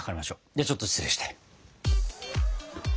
ではちょっと失礼して。